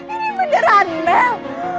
ini beneran mel